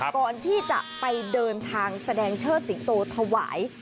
ก่อนที่จะไปเดินทางแสดงเชิดสิงโตถวาย